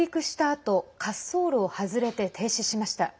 あと滑走路を外れて停止しました。